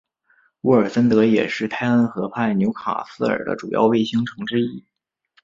沃尔森德也是泰恩河畔纽卡斯尔的主要卫星城之一。